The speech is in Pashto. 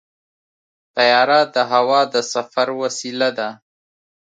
طیاره د هوا د سفر وسیله ده.